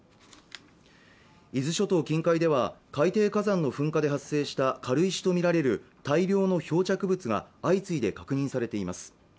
伊豆諸島近海では海底火山の噴火で発生した軽石とみられる大量の漂着物が相次いで確認されています